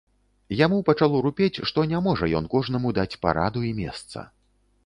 Яму пачало рупець, што не можа ён кожнаму даць параду і месца.